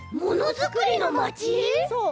そう。